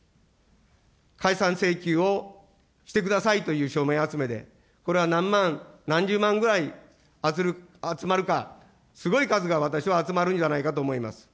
解散請求をしてくださいという署名集めで、これは何万、何十万ぐらい集まるか、すごい数が私は集まるんじゃないかと思います。